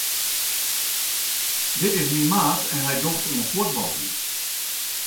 Dit is myn maat en hy docht oan fuotbaljen.